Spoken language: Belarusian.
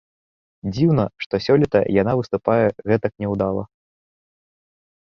Дзіўна, што сёлета яна выступае гэтак няўдала.